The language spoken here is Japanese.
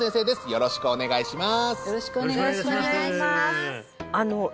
よろしくお願いします